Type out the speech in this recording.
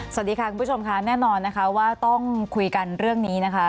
สวัสดีค่ะคุณผู้ชมค่ะแน่นอนนะคะว่าต้องคุยกันเรื่องนี้นะคะ